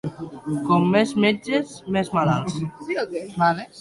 Com més metges, més malalts.